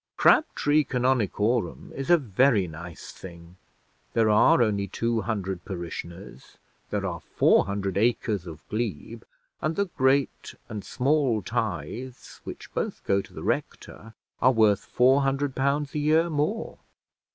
Crabtree Canonicorum is a very nice thing; there are only two hundred parishioners; there are four hundred acres of glebe; and the great and small tithes, which both go to the rector, are worth four hundred pounds a year more.